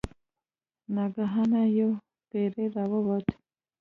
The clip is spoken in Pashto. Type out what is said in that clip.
ناګهانه یو پیری راووت.